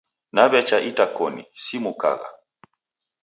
Naw'echa itakoni, simukagha.